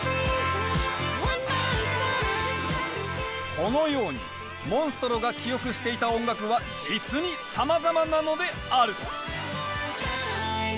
このようにモンストロが記憶していた音楽は実にさまざまなのである！